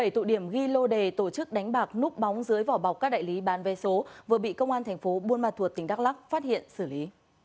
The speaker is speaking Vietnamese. bảy tụ điểm ghi lô đề tổ chức đánh bạc núp bóng dưới vỏ bọc các đại lý bán vé số vừa bị công an thành phố buôn ma thuột tỉnh đắk lắc phát hiện xử lý